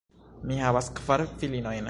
Mi havas kvar filinojn.